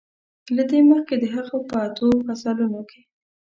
له دې مخکې د هغه په اتو غزلونو کې.